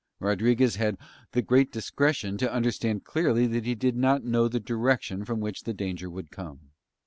Rodriguez had the great discretion to understand clearly that he did not know the direction from which danger would come.